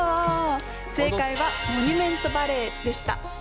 正解は「モニュメントバレー」でした。